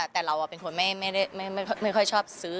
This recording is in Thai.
แต่เราเป็นคนไม่ค่อยชอบซื้อ